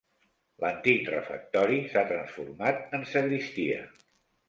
L'antic refectori s'ha transformat en sagristia.